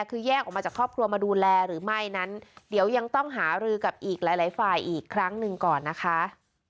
คือแยกออกมาจากครอบครัวมาดูแลหรือไม่นั้นเดี๋ยวยังต้องหารือกับอีกหลายฝ่ายอีกครั้งหนึ่งก่อนนะคะ